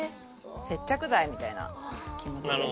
接着剤みたいな気持ちで。